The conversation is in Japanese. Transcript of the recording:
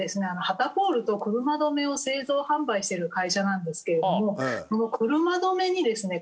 旗ポールと車止めを製造販売している会社なんですけれども車止めにですね